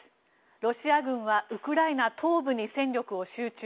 ロシア軍はウクライナ東部に戦力を集中。